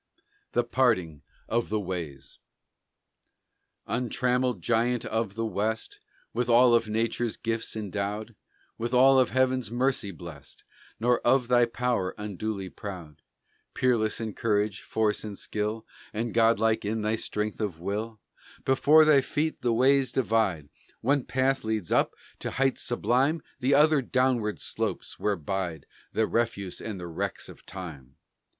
THE PARTING OF THE WAYS Untrammelled Giant of the West, With all of Nature's gifts endowed, With all of Heaven's mercies blessed, Nor of thy power unduly proud Peerless in courage, force, and skill, And godlike in thy strength of will, Before thy feet the ways divide: One path leads up to heights sublime; The other downward slopes, where bide The refuse and the wrecks of Time.